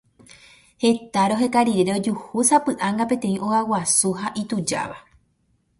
Heta roheka rire rojuhúsapy'a peteĩ óga guasu ha itujáva.